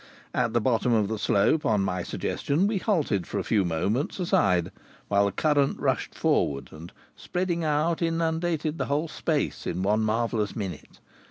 At the bottom of the slope, on my suggestion, we halted for a few moments aside, while the current rushed forward and, spreading out, inundated the whole space in one marvellous minute.